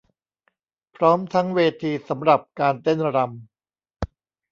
พร้อมทั้งเวทีสำหรับการเต้นรำ